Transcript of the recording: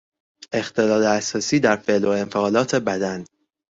اختلال اساسی در فعل و انفعالات بدن